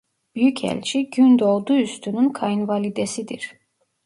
Büyükelçi Gündoğdu Üstün'ün kayınvalidesidir.